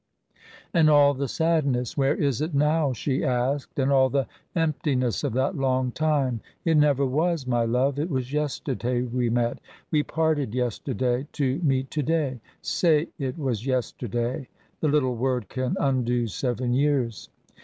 "And all the sadness, where is it now?" she asked. "And all the emptiness of that long time? It never was, my love it was yesterday we met. We parted yesterday, to meet to day. Say it was yesterday the little word can undo seven years."